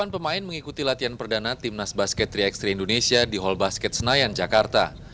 delapan pemain mengikuti latihan perdana timnas basket tiga x tiga indonesia di hall basket senayan jakarta